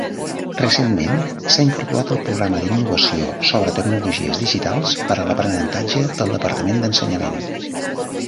Recentment s'ha incorporat al programa d'innovació sobre Tecnologies Digitals per a l'Aprenentatge del Departament d'Ensenyament.